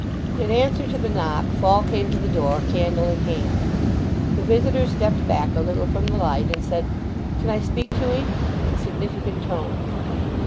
In answer to the knock Fall came to the door, candle in hand. The visitor stepped back a little from the light, and said, "Can I speak to 'ee?" in significant tones.